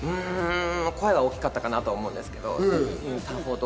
声は大きかったかなと思うんですけど。